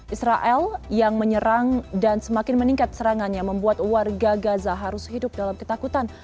israel yang menyerang dan semakin meningkat serangannya membuat warga gaza harus hidup dalam ketakutan